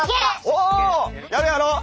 おやろうやろう！